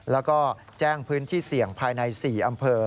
แล้วก็แจ้งพื้นที่เสี่ยงภายใน๔อำเภอ